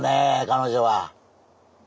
彼女は。